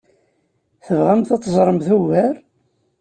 Tebɣamt ad teẓreḍ ugar?